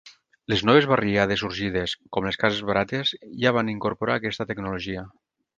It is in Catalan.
Les noves barriades sorgides, com les cases barates, ja van incorporar aquesta tecnologia.